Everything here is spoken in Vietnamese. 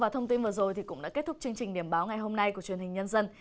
thông tin vừa rồi cũng đã kết thúc chương trình điểm báo ngày hôm nay của truyền hình nhân dân